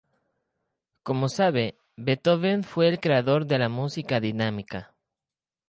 Como sabe, Beethoven, fue el creador de la música dinámica".